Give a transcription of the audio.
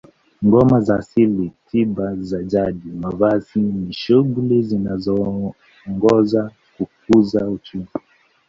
Ngoma za asili tiba za jadi mavazi ni shughuli zinazoongoza kukuza uchumi